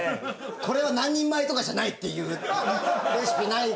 「これは何人前とかじゃない」っていうレシピないから。